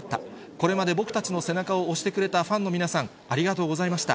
これまで僕たちの背中を押してくれたファンの皆さん、ありがとうございました。